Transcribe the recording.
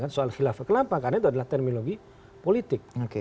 soal khilafah kelapa karena itu adalah terminologi politik